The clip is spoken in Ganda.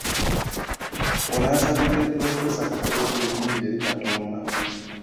Ono yasabidde Ppulofeesa Kateregga ebirungi eri Katonda.